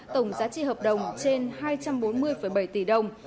tổng giá trị hợp đồng trên hai trăm bốn mươi bảy tỷ đồng